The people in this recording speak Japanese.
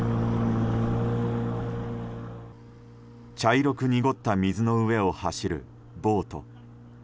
茶色く濁った水の上を走るボート。